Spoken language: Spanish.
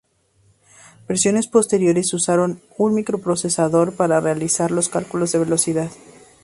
Versiones posteriores usaron un microprocesador para realizar los cálculos de velocidad.